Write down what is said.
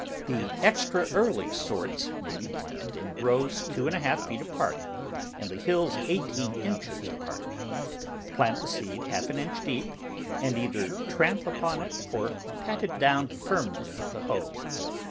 The extra early sorts may be planted in rows two and a half feet apart, and the hills eighteen inches apart. Plant the seed half an inch deep, and either tramp upon it or pat it down firmly with the hoe.